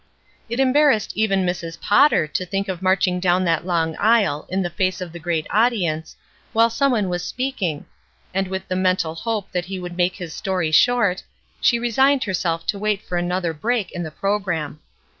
It embarrassed even Mrs. Potter to think of marching down that long aisle in the face of the great audience, while some one was speak ing, and with the mental hope that he would make his story short, she resigned herself to wait for another break in the programme.